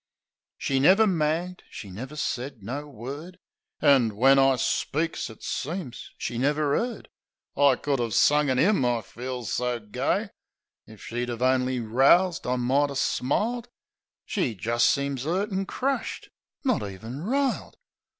She never magged ; she never said no word. An' when I speaks, it seems she never 'card. I could 'a' sung a nim, I feels so gay! 88 THE SENTIMENTAL BLOKE If she 'ad only roused I might 'a' smiled. She jist seems 'urt an' crushed; not even riled.